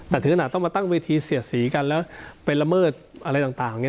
แต่ถึงขนาดต้องมาตั้งเวทีเสียดสีกันแล้วไปละเมิดอะไรต่าง